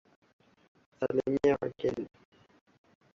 Salimia wageni.